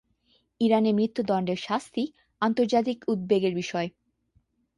ইরানে মৃত্যুদণ্ডের শাস্তি আন্তর্জাতিক উদ্বেগের বিষয়।